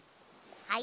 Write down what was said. はい？